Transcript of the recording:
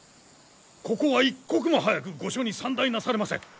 ここは一刻も早く御所に参内なされませ。